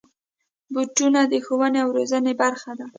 بوټونه د ښوونې او روزنې برخه دي.